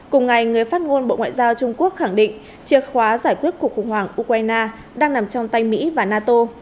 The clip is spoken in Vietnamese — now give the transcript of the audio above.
cùng ngày người phát ngôn bộ ngoại giao trung quốc khẳng định chìa khóa giải quyết cuộc khủng hoảng ukraine đang nằm trong tay mỹ và nato